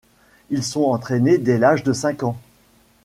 Ils sont entraînés dès l'âge de cinq ans.